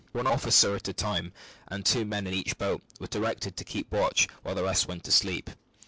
One officer at a time and two men in each boat were directed to keep watch while the rest went to sleep.